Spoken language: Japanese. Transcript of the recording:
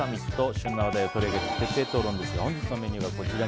旬な話題を取り上げて徹底討論ですが本日のメニュー